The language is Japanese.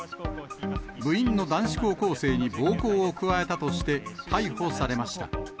部員の男子高校生に暴行を加えたとして、逮捕されました。